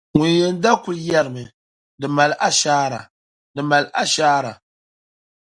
Ŋun yɛn da kul yɛrimi, “Di mali shaara, di mali shaara.”